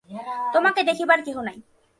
তোমাকে দেখিবার কেহ নাই!